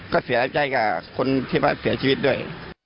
ก็เสียใจกับคนที่ว่าเสียชีวิตด้วย